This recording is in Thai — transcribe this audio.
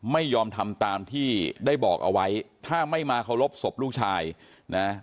ไม่ยอมทำตามที่ได้บอกเอาไว้ถ้าไม่มาเคารพศพลูกชายนะ